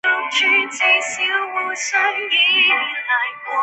超级时尚编辑战是以美国时尚为主题的真人实境秀。